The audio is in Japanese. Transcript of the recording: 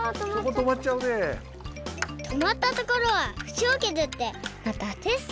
とまったところはふしをけずってまたテスト！